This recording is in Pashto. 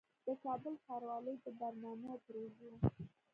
د کابل ښاروالۍ د برنامو او پروژو